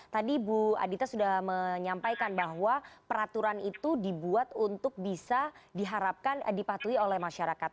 tadi bu adita sudah menyampaikan bahwa peraturan itu dibuat untuk bisa diharapkan dipatuhi oleh masyarakat